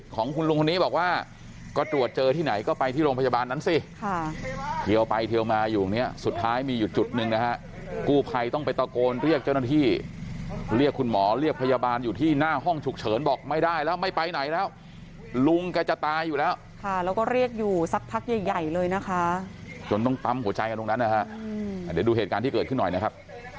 ค่ะเทียวไปเทียวมาอยู่เนี่ยสุดท้ายมีหยุดจุดหนึ่งนะฮะกู้ไพต้องไปตะโกนเรียกเจ้าหน้าที่เรียกคุณหมอเรียกพยาบาลอยู่ที่หน้าห้องฉุกเฉินบอกไม่ได้แล้วไม่ไปไหนแล้วลุงก็จะตายอยู่แล้วค่ะแล้วก็เรียกอยู่สักพักใหญ่เลยนะคะจนต้องปั๊มหัวใจกันตรงนั้นนะฮะเดี๋ยวดูเหตุการณ์ที่เกิดขึ้นหน่อยนะครับ